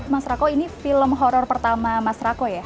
mas rako ini film horror pertama mas rako ya